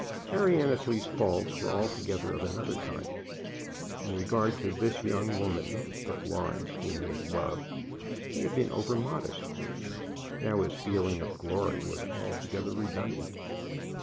Harry Annesley's faults were altogether of another kind. In regard to this young woman, the Florence whom he had loved, he had been over modest. Now his feeling of glory was altogether redundant.